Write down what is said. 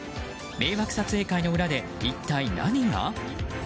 迷惑撮影会の裏で一体何が？